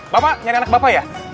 bapak nyari anak bapak ya